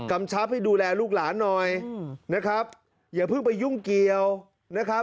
กำชับให้ดูแลลูกหลานหน่อยนะครับอย่าเพิ่งไปยุ่งเกี่ยวนะครับ